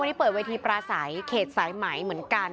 วันนี้เปิดเวทีปราศัยเขตสายไหมเหมือนกัน